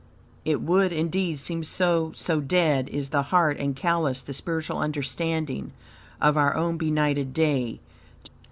It would, indeed, seem so, so dead is the heart and callous the spiritual understanding of our own benighted day.